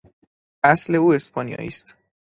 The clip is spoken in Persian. اصل او اسپانیایی است.